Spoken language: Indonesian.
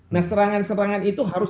nah serangan serangan itu harus